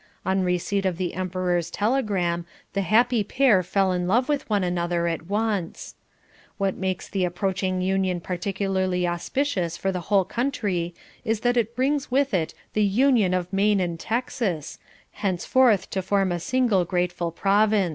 On receipt of the Emperor's telegram the happy pair fell in love with one another at once. What makes the approaching union particularly auspicious for the whole country is that it brings with it the union of Maine and Texas, henceforth to form a single grateful provinz.